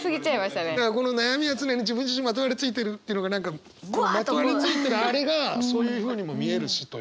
この悩みは常に自分自身にまとわりついてるっていうのが何かまとわりついてるあれがそういうふうにも見えるしという。